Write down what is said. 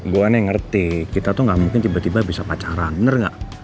gue aneh ngerti kita tuh gak mungkin tiba tiba bisa pacaran bener gak